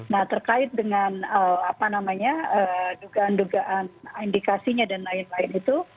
nah terkait dengan apa namanya dugaan dugaan indikasinya dan lain lain itu